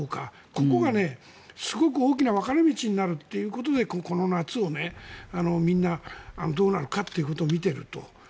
ここがすごく大きな分かれ道になるということでこの夏をみんな、どうなるかってことを見ていると。